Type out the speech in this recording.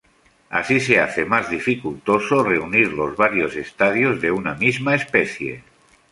Así se hace más dificultoso reunir los varios estadios de una misma especie.